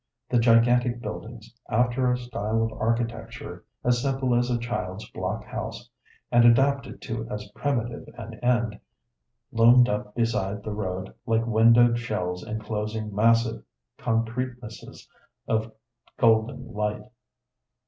The gigantic buildings, after a style of architecture as simple as a child's block house, and adapted to as primitive an end, loomed up beside the road like windowed shells enclosing massive concretenesses of golden light.